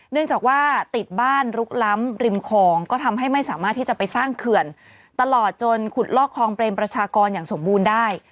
เนื่องจากว่าติดบ้านลุกล้ำริมคลองก็ทำให้ไม่สามารถที่จะไปสร้างเขื่อนตลอดจนขุดลอกคลองเปรมประชากรอย่างสมบูรณ์ได้